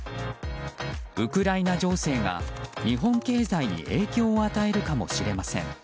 ウクライナ情勢が日本経済に影響を与えるかもしれません。